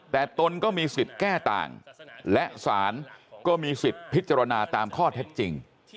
แต่ตนก็มีสิทธิ์แก้ต่างและสารก็มีสิทธิ์พิจารณาตามข้อเท็จจริง